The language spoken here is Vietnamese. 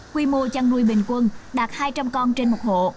quy mô chăn nuôi bình quân đạt hai trăm linh con trên một hộ